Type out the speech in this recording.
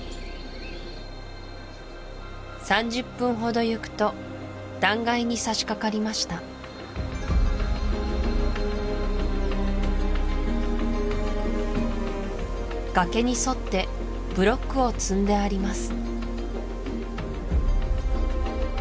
３０分ほど行くと断崖にさしかかりました崖に沿ってブロックを積んであります